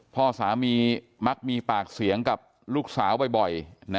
พ่อสามีมักมีปากเสียงกับลูกสาวบ่อย